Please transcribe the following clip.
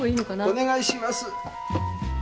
お願いします。